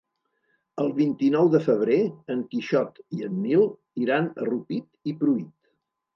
El vint-i-nou de febrer en Quixot i en Nil iran a Rupit i Pruit.